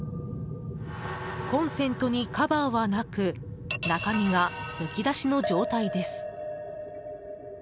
コンセントにカバーはなく中身がむき出しの状態です。